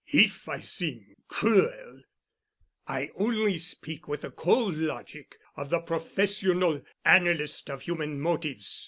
"If I seem cruel, I only speak with the cold logic of the professional analyst of human motives.